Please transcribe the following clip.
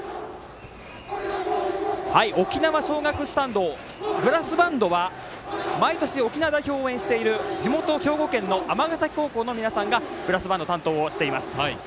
沖縄尚学スタンドブラスバンドは毎年、沖縄代表を応援している地元・兵庫県の尼崎高校の皆さんがブラスバンドを担当しています。